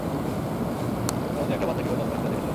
তুমি কোনদিন একটা বাচ্চা কিভাবে জন্ম হয় সেটা দেখেছ?